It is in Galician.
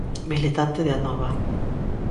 Militante de Anova.